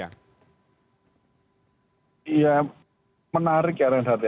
ya menarik ya renard